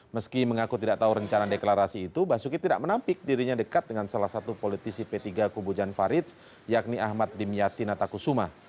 meski mengaku tidak tahu rencana deklarasi itu basuki tidak menampik dirinya dekat dengan salah satu politisi p tiga kubu jan farid yakni ahmad dimyati natakusuma